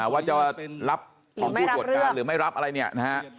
ว่าจะรับของคู่หรือไม่รับอะไรเนี่ยนะฮะ